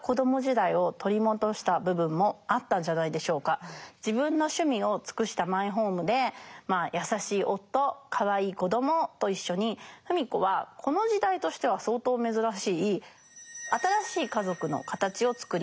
一方芙美子は自分の趣味を尽くしたマイホームで優しい夫かわいい子どもと一緒に芙美子はこの時代としては相当珍しい新しい家族の形をつくりました。